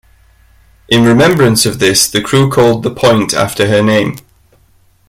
In remembrance of this the crew called the point after her name.